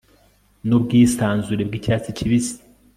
nubwisanzure bwicyatsi kibisi